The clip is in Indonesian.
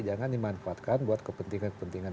jangan dimanfaatkan buat kepentingan kepentingan